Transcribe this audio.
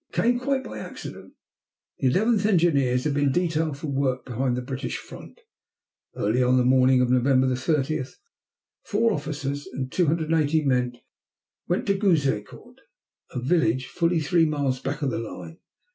It came quite by accident. The 11th Engineers had been detailed for work behind the British front. Early on the morning of November 30 four officers and 280 men went to Gouzeaucourt, a village fully three miles back of the line.